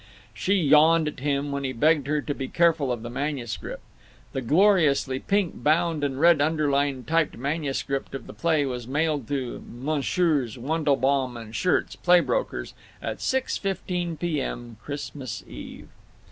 She yawned at him when he begged her to be careful of the manuscript. The gloriously pink bound and red underlined typed manuscript of the play was mailed to Messrs. Wendelbaum & Schirtz, play brokers, at 6.15 P.M., Christmas Eve.